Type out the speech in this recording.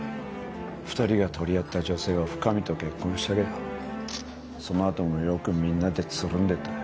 ２人が取り合った女性は深海と結婚したけどそのあともよくみんなでつるんでたよ。